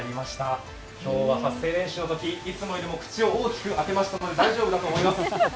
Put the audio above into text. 今日は発声練習のときいつもより口を大きく開けましたので、大丈夫だと思います。